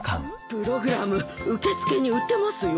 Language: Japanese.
プログラム受付に売ってますよ。